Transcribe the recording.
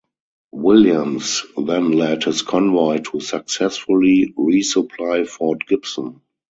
Williams then led his convoy to successfully resupply Fort Gibson.